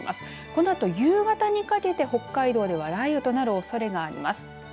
このあと夕方にかけて北海道では雷雨となるおそれがあります。